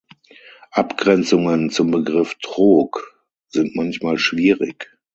Abgrenzungen zum Begriff „Trog“ sind manchmal schwierig.